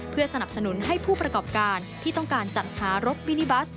เพื่อสนับสนุนให้ผู้ประกอบการที่ต้องการจัดหารถมินิบัส